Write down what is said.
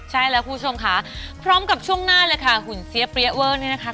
ใช่แล้วคุณผู้ชมค่ะพร้อมกับช่วงหน้าเลยค่ะหุ่นเสียเปรี้ยเวอร์เนี่ยนะคะ